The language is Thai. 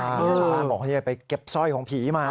ชาวบ้านบอกไปเก็บสร้อยของผีมา